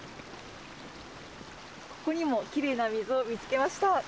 ここにもきれいな水を見つけました。